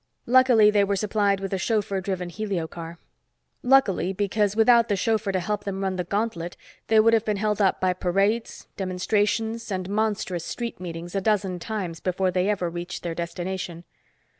Luckily, they were supplied with a chauffeur driven helio car. Luckily, because without the chauffeur to help them run the gauntlet they would have been held up by parades, demonstrations and monstrous street meetings a dozen times before they ever reached their destination.